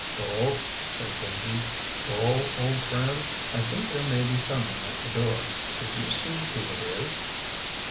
"Bull," said Benji, "Bull, old friend. I think there may be someone at the door. Would you see who it is?"